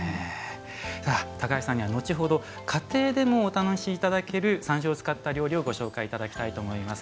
高橋さんには後ほど家庭でもお試しいただける山椒を使った料理をご紹介いただきたいと思います。